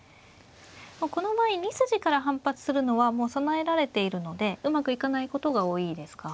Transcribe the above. この場合２筋から反発するのはもう備えられているのでうまくいかないことが多いですか。